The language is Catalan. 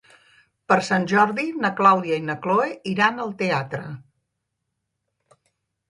Per Sant Jordi na Clàudia i na Cloè iran al teatre.